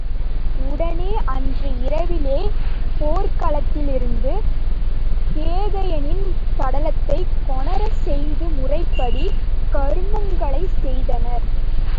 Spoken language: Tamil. உடனே அன்று இரவிலேயே போர்க்களத்திலிருந்து கேகயனின் சடலத்தைக் கொணரச் செய்துமுறைப்படி கருமங்களைச் செய்தனர்.